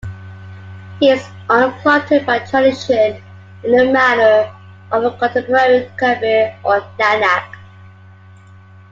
He is uncluttered by tradition in the manner of a contemporary Kabir or Nanak.